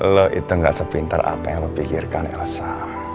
lo itu gak sepintar apa yang lo pikirkan elsa